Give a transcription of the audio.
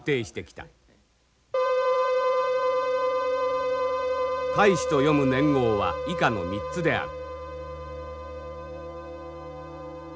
「たいし」と読む年号は以下の３つである。